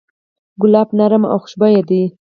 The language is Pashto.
ګلاب نرم او خوشبویه دی.